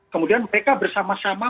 kemudian mereka bersama sama